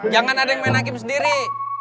jangan main hakim sendiri